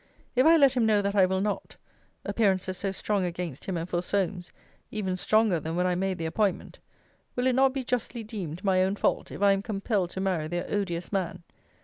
If I let him know that I will not, (appearances so strong against him and for Solmes, even stronger than when I made the appointment,) will it not be justly deemed my own fault, if I am compelled to marry their odious man?